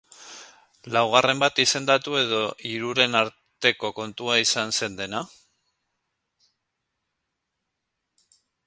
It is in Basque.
Laugarren bat izendatu edo hiruren arteko kontua izango zen dena?